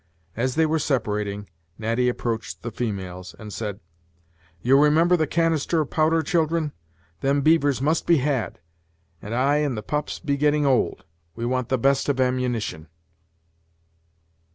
As they were separating, Natty approached the females, and said: "You'll remember the canister of powder, children. Them beavers must be had, and I and the pups be getting old; we want the best of ammunition."